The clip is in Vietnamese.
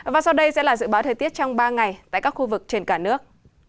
và sau đây sẽ là dự báo thời tiết trong ba ngày tại các khu vực trên cả nước